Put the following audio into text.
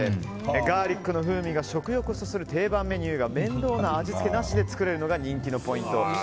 ガーリックの風味が食欲をそそる定番メニューが面倒な味付けなしで作れるのが人気のポイント。